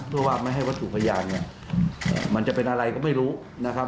เพื่อว่าไม่ให้วัตถุพยานเนี่ยมันจะเป็นอะไรก็ไม่รู้นะครับ